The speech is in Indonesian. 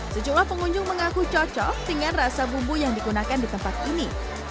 sejumlah pengunjung mengaku cocok dengan rasa bumbu yang digunakan di tempat ini